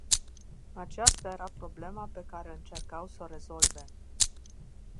Aceasta era problema pe care încercau s-o rezolve.